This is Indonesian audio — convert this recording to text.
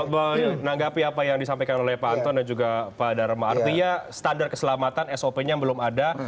menanggapi apa yang disampaikan oleh pak anton dan juga pak dharma artinya standar keselamatan sop nya belum ada